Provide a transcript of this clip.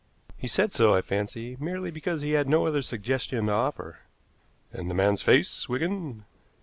He said so, I fancy, merely because he had no other suggestion to offer." "And the man's face, Wigan?"